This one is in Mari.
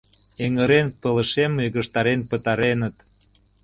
Эҥырен пылышем йыгыжтарен пытареныт.